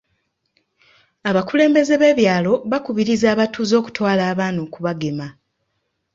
Abakulembeze b'ebyalo bakubiriza abatuuze okutwala abaana okubagema.